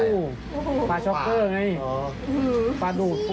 วิ่งมาล่างหน้า